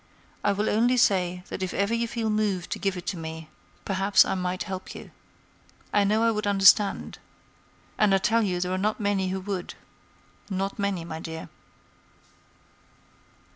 I will only say that if ever you feel moved to give it to me, perhaps I might help you. I know I would understand. And I tell you there are not many who would—not many, my dear."